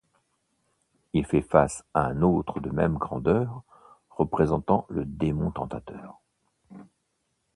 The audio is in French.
Il fait face à un autre de même grandeur, représentant le Démon Tentateur.